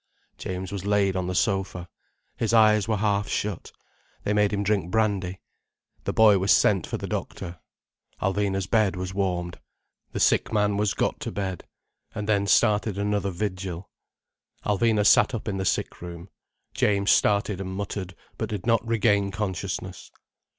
James was laid on the sofa. His eyes were half shut. They made him drink brandy, the boy was sent for the doctor, Alvina's bed was warmed. The sick man was got to bed. And then started another vigil. Alvina sat up in the sick room. James started and muttered, but did not regain consciousness.